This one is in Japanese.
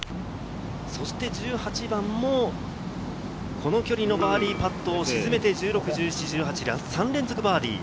そして１８番も、この距離のバーディーパットを沈めて１６、１７、１８、３連続バーディー。